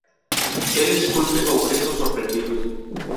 El esculpe "Objetos sorprendidos".